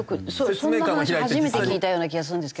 そんな話初めて聞いたような気がするんですけど。